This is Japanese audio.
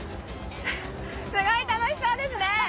すごい楽しそうですね。